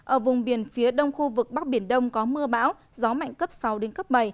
ở vùng biển phía đông khu vực bắc biển đông có mưa bão gió mạnh cấp sáu đến cấp bảy